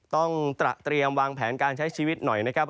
เตรียมวางแผนการใช้ชีวิตหน่อยนะครับ